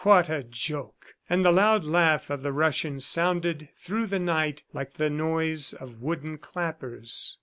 ... What a joke!" And the loud laugh of the Russian sounded through the night like the noise of wooden clappers.